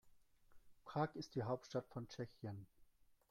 Prag ist die Hauptstadt von Tschechien.